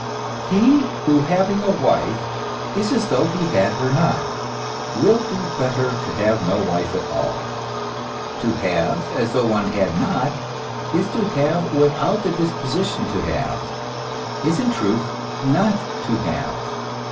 He who having a wife is as though he had her not, will do better to have no wife at all. To have as though one had not, is to have without the disposition to have, is in truth not to have.